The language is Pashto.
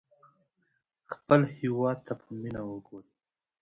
خپل هېواد ته په مینه وګورئ.